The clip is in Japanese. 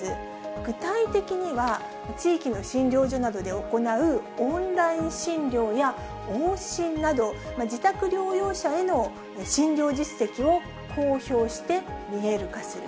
具体的には、地域の診療所などで行うオンライン診療や、往診など、自宅療養者への診療実績を公表して、見える化する。